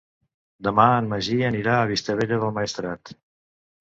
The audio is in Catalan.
Demà en Magí anirà a Vistabella del Maestrat.